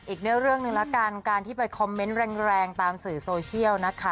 อีกเรื่องหนึ่งละกันตัดสมุดไปคอมเม้นตร์แรงตามสื่อโซเชียลนะคะ